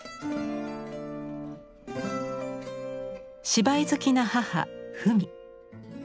芝居好きな母婦美。